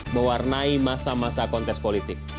mewarnai masa masa kontes politik